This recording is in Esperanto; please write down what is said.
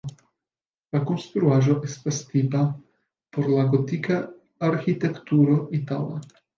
La konstruaĵo estas tipa por la gotika arĥitekturo itala.